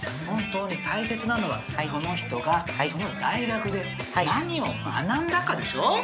本当に大切なのはその人がその大学で何を学んだかでしょ。